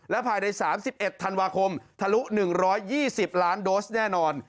ภายใน๓๑ธันวาคมทะลุ๑๒๐ล้านโดสแน่นอน